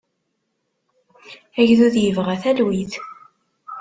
Agdud yebɣa talwit.